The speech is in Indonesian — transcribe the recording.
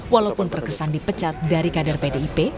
walaupun terkesan dipecat dari kader pdip